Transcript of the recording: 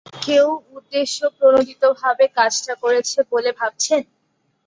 কেউ উদ্দেশ্যপ্রণোদিতভাবে কাজটা করেছে বলে ভাবছেন?